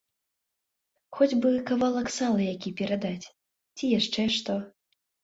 Хоць бы кавалак сала які перадаць ці яшчэ што.